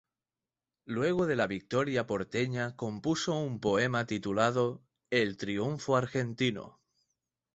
Luego de la victoria porteña compuso un poema titulado "El triunfo argentino".